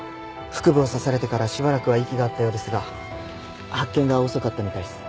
腹部を刺されてからしばらくは息があったようですが発見が遅かったみたいっす。